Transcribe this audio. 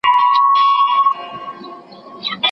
اوس راغلی یم خوشحال غوندي ملا ماته بې پیغامه